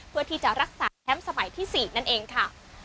เพื่อที่จะรักษาแชมป์สมัยที่๔นั่นเองค่ะ